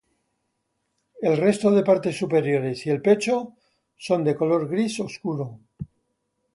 El resto de partes superiores y el pecho son de color gris oscuro.